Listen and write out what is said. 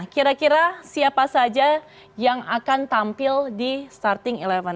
kira kira siapa saja yang akan tampil di starting eleven